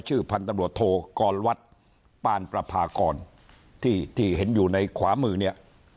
ชื่อพันธบทกรวัตรปานประพากรที่เห็นอยู่ในขวามือนี้